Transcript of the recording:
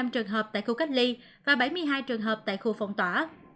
một chín mươi năm trường hợp tại khu cách ly và bảy mươi hai trường hợp tại khu phòng tỏa